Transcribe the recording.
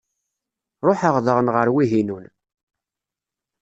Ruḥeɣ daɣen ɣer Wahinun.